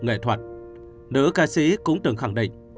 nghệ thuật nữ ca sĩ cũng từng khẳng định